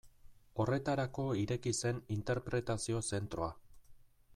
Horretarako ireki zen interpretazio zentroa.